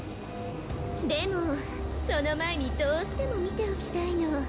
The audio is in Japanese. でもその前にどうしても見ておきたいの。